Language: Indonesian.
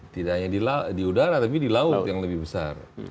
tidak hanya di udara tapi di laut yang lebih besar